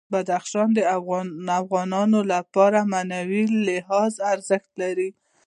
بدخشان د افغانانو لپاره په معنوي لحاظ ارزښت لري.